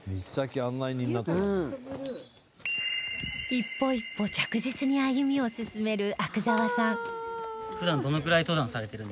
一歩一歩着実に歩みを進める阿久澤さん